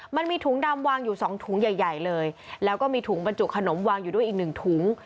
มันมีถุงดำวางอยู่สองถุงใหญ่ใหญ่เลยแล้วก็มีถุงบรรจุขนมวางอยู่ด้วยอีกหนึ่งถุง